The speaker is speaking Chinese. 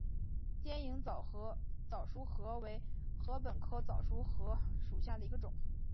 尖颖早熟禾为禾本科早熟禾属下的一个种。